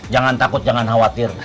jangan takut jangan khawatir